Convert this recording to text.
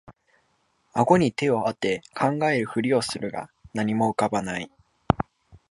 あごに手をあて考えるふりをするが何も浮かばない